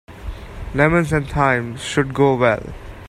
Lemons and thyme should go well.